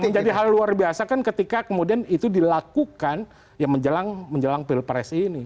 menjadi hal luar biasa kan ketika kemudian itu dilakukan menjelang pilpres ini